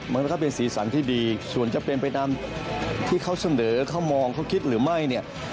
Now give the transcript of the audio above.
มันก็เป็นสีสันที่ดีส่วนจะเป็นไปตามที่เขาเสนอเขามองเขาคิดหรือไม่เนี่ย